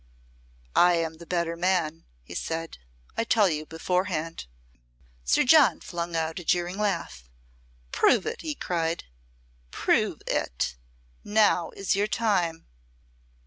"I am the better man," he said; "I tell you beforehand." Sir John flung out a jeering laugh. "Prove it," he cried. "Prove it. Now is your time."